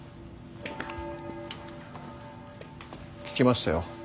聞きましたよ